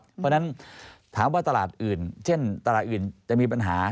เพราะฉะนั้นถามว่าตลาดอื่นเช่นตลาดอื่นจะมีปัญหา